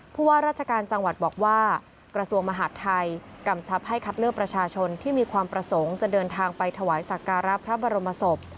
ผู้ว่าราชการจังหวัดบอกว่ากระทรวงมหาดไทยกำชับให้คัดเลือกประชาชนที่มีความประสงค์จะเดินทางไปถวายสักการะพระบรมศพ